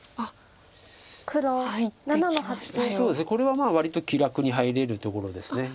これは割と気楽に入れるところです。